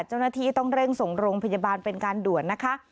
เจ้าหน้าที่ต้องเร่งส่งโรงพยาบาลเป็นการด่วนนะคะ